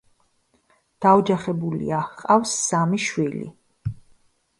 დაოჯახებულია ჰყავს სამი შვილი.